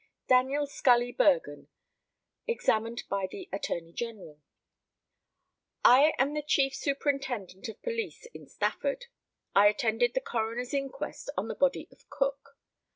DANIEL SCULLY BERGEN, examined by the ATTORNEY GENERAL: I am the chief superintendent of police in Stafford. I attended the coroner's inquest on the body of Cook.